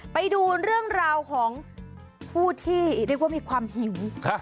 ไปดูเรื่องราวของผู้ที่เรียกว่ามีความหิว